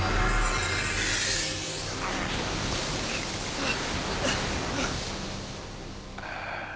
あっ。